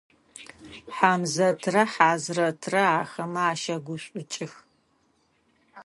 Хьамзэтрэ Хьазрэтрэ ахэмэ ащэгушӏукӏых.